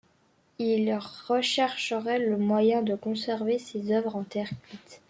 Il recherchera le moyen de conserver ses œuvres en terre cuite.